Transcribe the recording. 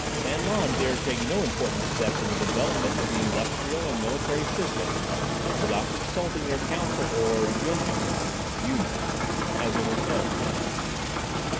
San Lan dared take no important step in the development of the industrial and military system without consulting their council or Yun Yun (Union), as it was known.